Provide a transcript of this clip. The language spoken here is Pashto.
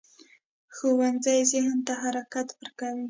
ښوونځی ذهن ته حرکت ورکوي